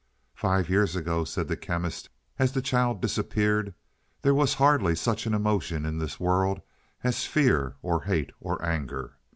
"Five years ago," said the Chemist, as the child disappeared, "there was hardly such an emotion in this world as fear or hate or anger.